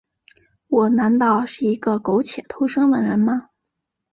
我难道是一个苟且偷生的人吗？